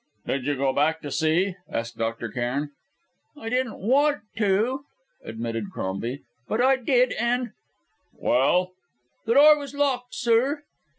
"Did you go back to see?" asked Dr. Cairn. "I didn't want to," admitted Crombie, "but I did and " "Well?" "The door was locked, sir!"